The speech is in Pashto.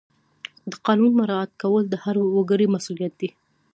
د قانون مراعات کول د هر وګړي مسؤلیت دی.